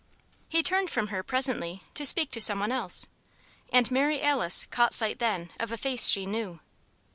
"] He turned from her, presently, to speak to some one else, and Mary Alice caught sight then of a face she knew.